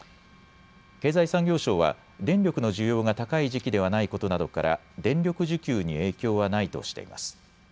経済産業省は電力の需要が高い時期ではないことなどから電力需給に影響はないとしています。